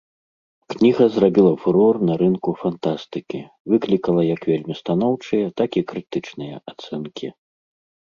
Кніга зрабіла фурор на рынку фантастыкі, выклікала як вельмі станоўчыя, так і крытычныя ацэнкі.